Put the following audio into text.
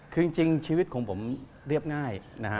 คือจริงชีวิตของผมเรียบง่ายนะฮะ